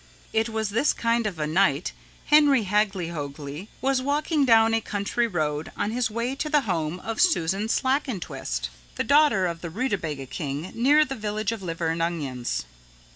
It was this kind of a night Henry Hagglyhoagly was walking down a country road on his way to the home of Susan Slackentwist, the daughter of the rutabaga king near the Village of Liver and Onions.